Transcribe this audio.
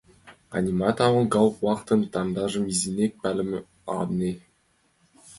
— А-а, нимат огыл, гауптвахтын тамжым изинекак палыман, ане...